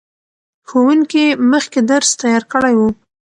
ښوونکي مخکې درس تیار کړی و.